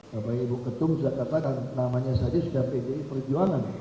bapak ibu ketum sudah katakan namanya saja sudah pdi perjuangan